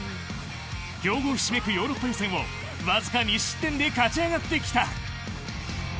強豪ひしめくヨーロッパ予選をわずか２失点で勝ち上がってきた。